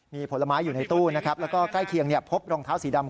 มีผลไม้อยู่ในตู้นะครับแล้วก็ใกล้เคียงพบรองเท้าสีดำ